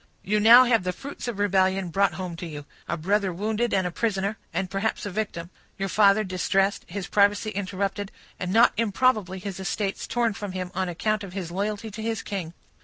"You now have the fruits of rebellion brought home to you; a brother wounded and a prisoner, and perhaps a victim; your father distressed, his privacy interrupted, and not improbably his estates torn from him, on account of his loyalty to his king."